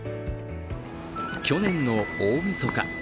去年の大みそか。